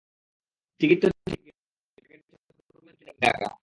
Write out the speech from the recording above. Ticket তো ticket, রাগের চোটে পারলে যেন পুরো বিমানটিই কিনে নেন গাগা।